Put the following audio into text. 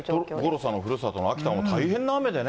五郎さんのふるさとの秋田も大変な雨でね。